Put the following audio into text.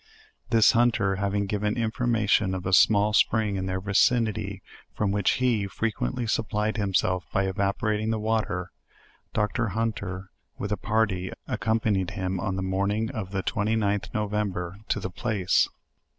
This hunter having given information of a small spring in their vicinity, from which he frequently supplied himself by evaporating the water; doctor Hunter, .with a par ty, accompanied him, on the morning of the 29th November, to the place.